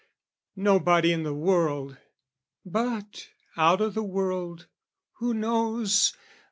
Nobody in the world: but, out o' the world, Who knows?